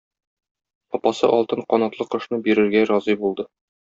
Апасы алтын канатлы кошны бирергә разый булды.